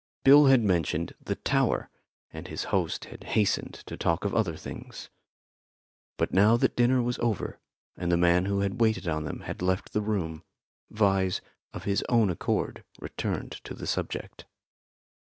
Bill had mentioned the tower, and his host had hastened to talk of other things. But now that dinner was over, and the man who had waited on them had left the room, Vyse of his own accord returned to the subject.